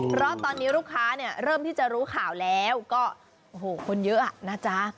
เพราะตอนนี้ลูกค้าเนี่ยเริ่มที่จะรู้ข่าวแล้วก็โอ้โหคนเยอะอ่ะนะจ๊ะ